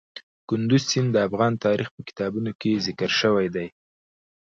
کندز سیند د افغان تاریخ په کتابونو کې ذکر شوی دي.